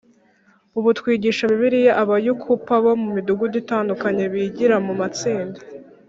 Ubu twigisha Bibiliya Abayukupa bo mu midugudu itandukanye bigira mu matsinda